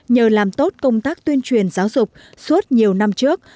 nhờ làm tốt công tác tuyên truyền giáo dục suốt nhiều năm trước